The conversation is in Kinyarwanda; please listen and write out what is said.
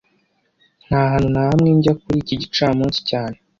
Nta hantu na hamwe njya kuri iki gicamunsi cyane